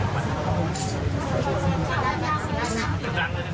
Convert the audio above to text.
อภัยตอนนี้มี